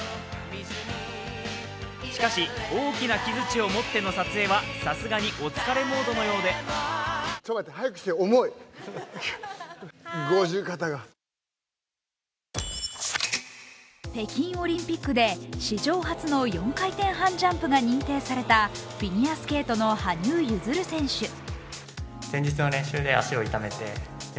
しかし、大きな木づちを持っての撮影はさすがにお疲れモードのようで北京オリンピックで史上初の４回転半ジャンプが認定されたフィギュアスケートの羽生結弦選手。